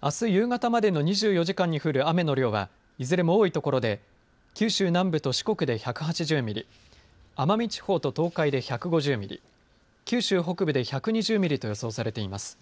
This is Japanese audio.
あす夕方までの２４時間に降る雨の量はいずれも多い所で九州南部と四国で１８０ミリ奄美地方と東海で１５０ミリ九州北部で１２０ミリと予想されています。